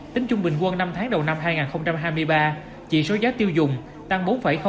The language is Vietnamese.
tính chung bình quân năm tháng đầu năm hai nghìn hai mươi ba chỉ số giá tiêu dùng tăng bốn ba